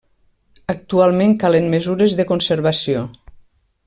Actualment calen mesures de conservació.